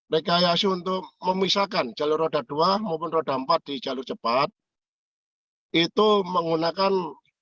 rekayasa untuk memisahkan jalur roda dua maupun roda empat di jalur jalan